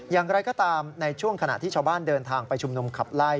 อย่างไรก็ตามในช่วงขณะที่ชาวบ้านเดินทางไปชุมนุมขับไล่